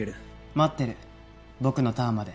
待ってる僕のターンまで。